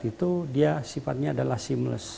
itu dia sifatnya adalah simless